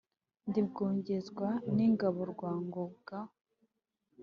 Ndi Rwogezwa n’ingabo rwa Ngango,